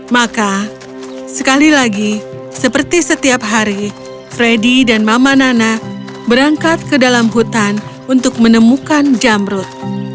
maka sekali lagi seperti setiap hari freddy dan mama nana berangkat ke dalam hutan untuk menemukan jamrut